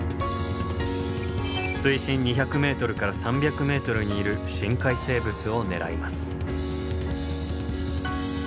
水深２００ｍから３００ｍにいる深海生物を狙います。